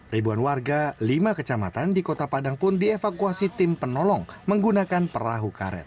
ribuan warga lima kecamatan di kota padang pun dievakuasi tim penolong menggunakan perahu karet